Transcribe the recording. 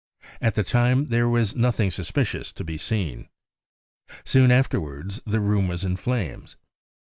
At the time there was nothing sus picious to be seen. Soon afterwards the room was in flames.